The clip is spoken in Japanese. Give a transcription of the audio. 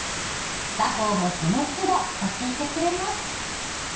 作法もそのつど教えてくれます。